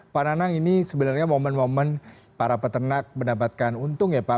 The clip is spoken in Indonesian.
pak nanang ini sebenarnya momen momen para peternak mendapatkan untung ya pak